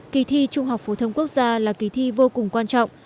kỳ thi trung học phổ thông quốc gia là kỳ thi vô cùng quan trọng